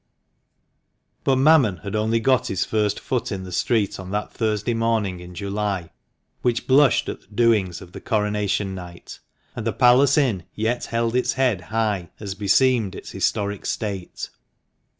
But Mammon had only got his first foot in the street on that Thursday morning in July, which blushed at the doings of the Coronation night, and the "Palace Inn" yet held its head high as beseemed its historic state.